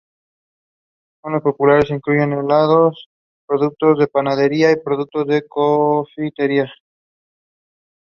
Usos populares incluyen helados, productos de panadería y productos de confitería.